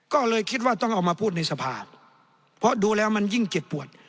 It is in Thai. ก็เลยคิดว่าต้องเอามาพูดในสภาเพราะดูแล้วมันยิ่งเจ็บปวด